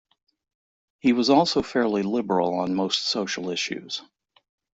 He was also fairly liberal on most social issues.